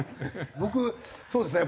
僕そうですね